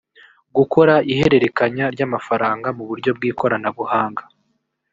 gukora ihererekanya ry’amafaranga mu buryo bw’ikoranabuhanga